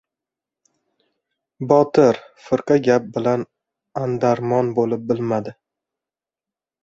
Botir firqa gap bilan andarmon bo‘lib bilmadi.